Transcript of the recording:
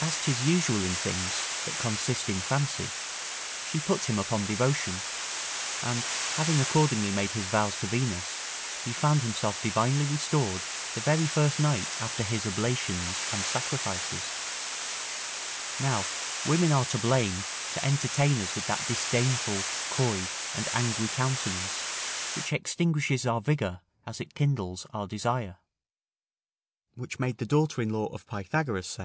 As 'tis usual in things that consist in fancy, she put him upon devotion, and having accordingly made his vows to Venus, he found himself divinely restored the very first night after his oblations and sacrifices. Now women are to blame to entertain us with that disdainful, coy, and angry countenance, which extinguishes our vigour, as it kindles our desire; which made the daughter in law of Pythagoras [Theano, the lady in question was the wife, not the daughter in law of Pythagoras.